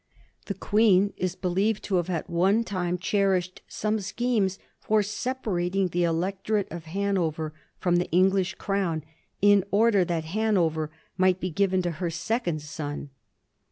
The Queen is believed to have at one time cherished some schemes for separat ing the Electorate of Hanover from the English Crown, in order that Hanover might be given to her second son.